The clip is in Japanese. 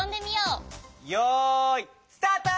よいスタート！